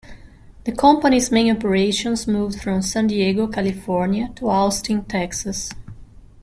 The company's main operations moved from San Diego, California to Austin, Texas.